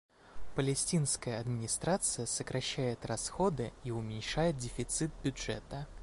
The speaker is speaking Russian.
Палестинская администрация сокращает расходы и уменьшает дефицит бюджета.